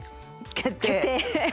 「決定」。